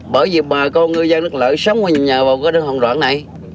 bởi vì mà con ngư dân nước lợi sống ở nhà vào cái đất hoàng đoạn này